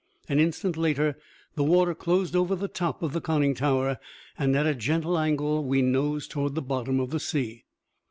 An instant later the water closed over the top of the conning tower, and at a gentle angle we nosed towards the bottom of the sea.